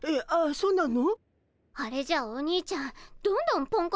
そうなの？